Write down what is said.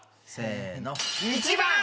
せーの１番！